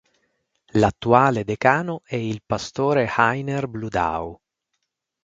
L'attuale decano è il pastore Heiner Bludau.